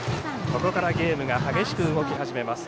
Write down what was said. ここからゲームが激しく動き始めます。